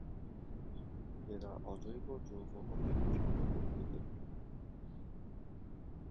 এরা অজৈব যৌগ হতে ভিন্ন প্রকৃতির।